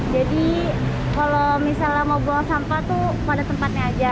jadi kalau misalnya mau bawa sampah tuh pada tempatnya aja